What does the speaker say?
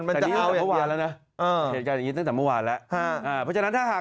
เพราะฉะนั้นถ้าใครมีน้ำใจอยากจะบริจารณ์ก็ตรวจสอบให้ชัดเจน